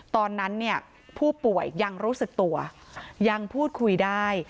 ตอนนั้นเนี่ยผู้ป่วยยังรู้สึกตัวยังพูดคุยได้